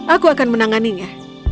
aku akan menanganinya